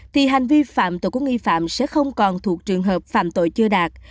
thì hành vi phạm tội của nghi phạm sẽ không còn thuộc trường hợp phạm tội chưa đạt